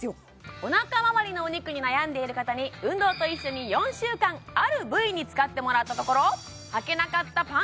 お腹周りのお肉に悩んでいる方に運動と一緒に４週間ある部位に使ってもらったところああ